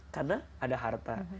karena ada harta